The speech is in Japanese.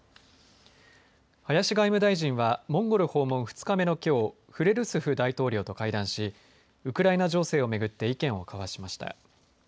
林外務大臣はモンゴル訪問２日目のきょうフレルスフ大統領と会談しウクライナ情勢を巡って意見を交わしました。